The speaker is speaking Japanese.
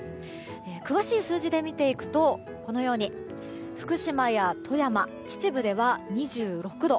詳しい数字で見ていくとこのように福島や富山、秩父では２６度。